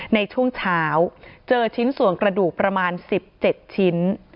ในช่วงเช้าเจอชิ้นส่วนกระดูกประมาณ๑๗ชิ้น